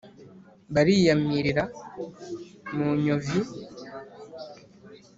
bariyamirira mu nyovi.